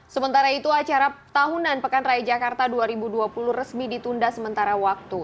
sementara itu acara tahunan pekan raya jakarta dua ribu dua puluh resmi ditunda sementara waktu